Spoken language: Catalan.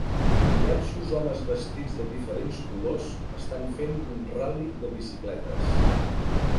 Diversos homes vestits de diferents colors estan fent un ral·li de bicicletes.